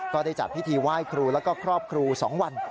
ก็ได้จัดพิธีไหว้ครูแล้วก็ครอบครู๒วัน